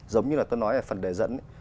giống như là tôi nói ở phần đề dẫn ấy